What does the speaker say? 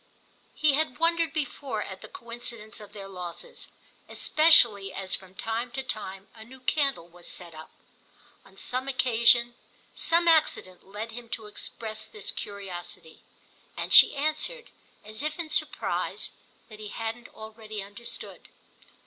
He had wondered before at the coincidence of their losses, especially as from time to time a new candle was set up. On some occasion some accident led him to express this curiosity, and she answered as if in surprise that he hadn't already understood.